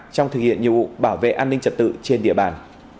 trong thực hiện nhiệm vụ bảo vệ an ninh trật tự trên địa bàn